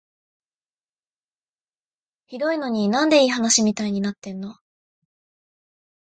ひどいのに、なんでいい話みたいになってんの？